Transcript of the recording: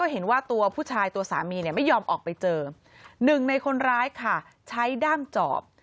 หนึ่งในคนร้ายค่ะใช้ด้ามจอบ